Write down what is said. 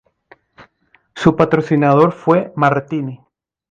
Su patrocinador fue Martini.